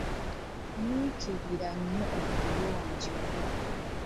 Nyiikirira nnyo obuyonjo.